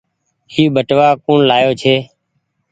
اي ٻٽوآ ڪوڻ لآيو ڇي۔